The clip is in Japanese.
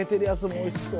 おいしそう！